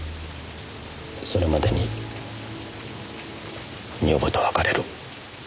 それまでに女房と別れる。